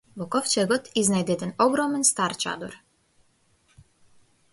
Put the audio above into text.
Во ковчегот изнајде еден огромен стар чадор.